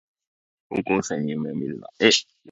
高校生に夢をみるな